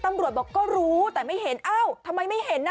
ตำรวจบอกก็รู้แต่ไม่เห็นเอ้าทำไมไม่เห็นน่ะ